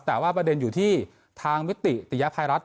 แต่ว่าประเด็นอยู่ที่ทางมิติติยภัยรัฐ